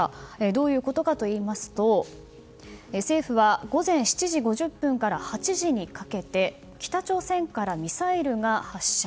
どういうことかといいますと政府は、午前７時５０分から８時にかけて北朝鮮からミサイルが発射。